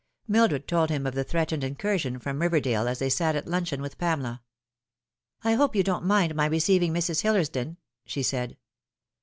Mildred told him of the threatened incursion from River dale as they sat at luncheon with Pamela. " I hope you don't mind my receiving Mrs. Hillersdon," she said.